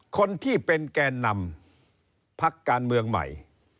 คนที่เป็นแกนนำพักการเมืองใหม่